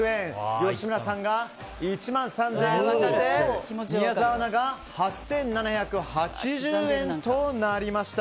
吉村さんが１万３０００円宮澤アナが８７８０円となりました。